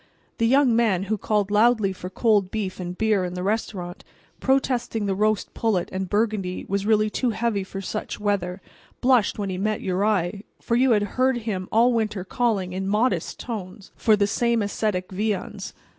The young man who called loudly for cold beef and beer in the restaurant, protesting that roast pullet and Burgundy was really too heavy for such weather, blushed when he met your eye, for you had heard him all winter calling, in modest tones, for the same ascetic viands.